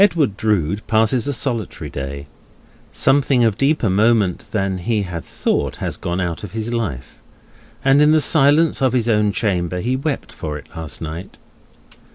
Edwin Drood passes a solitary day. Something of deeper moment than he had thought, has gone out of his life; and in the silence of his own chamber he wept for it last night.